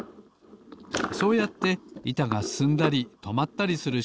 そうやっていたがすすんだりとまったりする